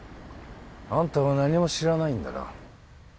あんたは何も知らないんだな